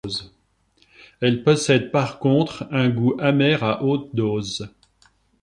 Elle possède par contre un goût amer à haute dose.